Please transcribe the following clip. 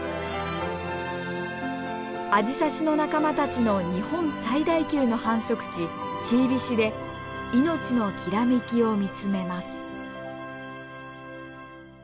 アジサシの仲間たちの日本最大級の繁殖地チービシで命のきらめきを見つめます。